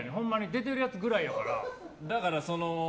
出てるやつぐらいやから。